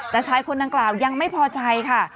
แต่ชายคนดังกล่าวยังไม่พอใจค่ะ